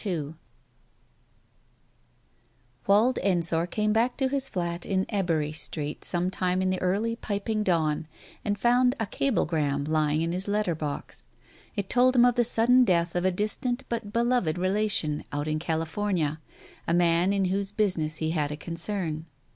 II Wald Ensor came back to his flat in Ebury Street some time in the early piping dawn and found a cable gram lying in his letter box. It told him of the sudden death of a distant but beloved relation, out in California, a man in whose business he had a concern.